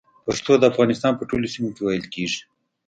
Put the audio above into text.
پښتو د افغانستان په ټولو سيمو کې ویل کېږي